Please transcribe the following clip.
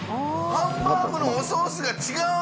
ハンバーグのおソースが違う。